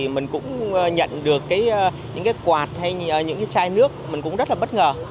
mình cũng nhận được những quạt hay những chai nước mình cũng rất là bất ngờ